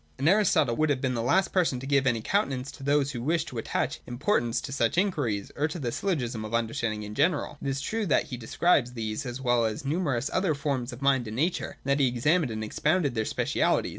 And Aristotle would have been the last person to give any countenance to those who wish to attach importance to such inquiries or to the syllogism of understanding in general. It is true that VOL. II. Y 322 THE DOCTRINE OF THE NOTION. [187, 188. he described these, as well as numerous other forms of mind and nature, and that he examined and expounded their specialities.